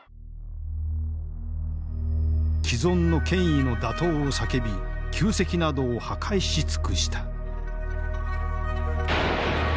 既存の権威の打倒を叫び旧跡などを破壊し尽くした。